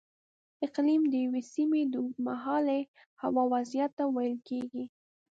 اقلیم د یوې سیمې د اوږدمهالې هوا وضعیت ته ویل کېږي.